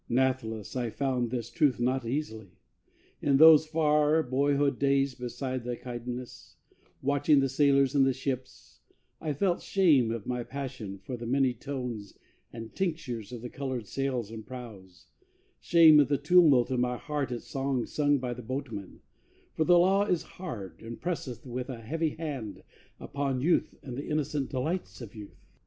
Nathless, I found this truth not easily: In those far boyhood days beside the Cydnus, Watching the sailors and the ships, I felt Shame of my passion for the many tones And tinctures of the coloured sails and prows, Shame at the tumult in my heart at songs Sung by the boatmen; for the law is hard, And presseth with a heavy hand upon Youth and the innocent delights of youth.